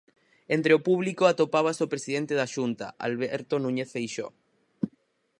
Entre o público atopábase o presidente da Xunta, Alberto Núñez Feixóo.